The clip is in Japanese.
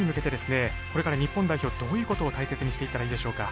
これから日本代表どういうことを大切にしていったらいいでしょうか。